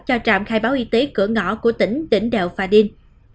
cho trạm khai báo y tế cửa ngõ của tỉnh tỉnh đèo pha đinh